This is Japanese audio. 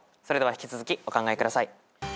それでは引き続きお考えください。